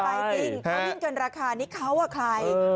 วิ่งเกินราคานี้เขาหรือใคร